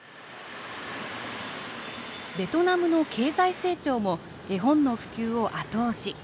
ベトナムの経済成長も絵本の普及を後押し。